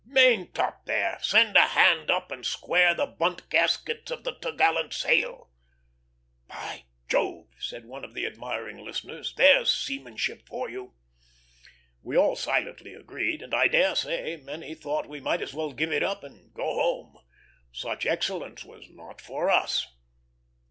"Maintop, there! Send a hand up and square the bunt gaskets of the topgallant sail!" "By Jove!" said one of the admiring listeners, "there's seamanship for you!" We all silently agreed, and I dare say many thought we might as well give it up and go home. Such excellence was not for us.